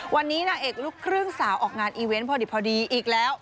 วันนี้นางเอกลูกครึ่งสาวออกงานอีเวนต์พอดีอีกแล้ว